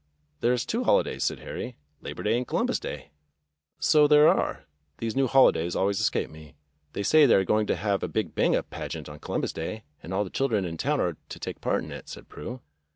"There's two holidays," said Harry, — "Labor Day and Columbus Day." "So there are. These new hohdays always escape me." "They say they are going to have a big bang up pageant on Columbus Day, and all the children in town are to take part in it," said Prue.